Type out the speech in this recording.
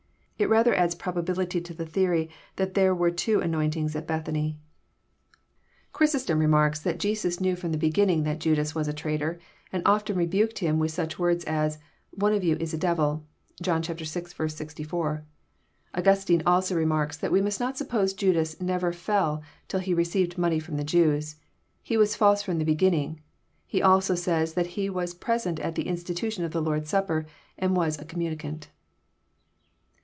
It rather adds grobability to the theory that there were two anointings at ethany. i JOHN, CHAP. xn. 315 Chrysostom remarks, that Jesns knew from the beginning that Judas was a traitor, and often rebaked him with snch words as, One of you is a devil/' (John vi. 64.) Augustine also remarks that we must not suppose Judas never fell till he received money fh>m the Jews. He was false from the begin ning. He also says that he was present at the institution of the Lord's Supper, and was a communicant.